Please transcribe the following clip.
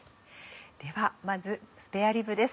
ではまずスペアリブです。